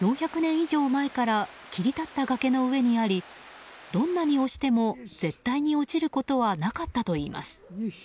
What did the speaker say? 以上前から切り立った崖の上にありどんなに押しても、絶対に落ちることはなかったといいます。